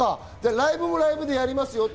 ライブもライブでやりますよと。